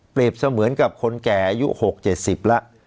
เสมือนกับคนแก่อายุ๖๗๐แล้ว